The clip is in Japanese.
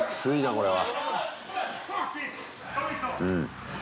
これは。